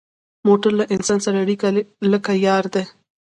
موټر له انسان سره لکه یار دی.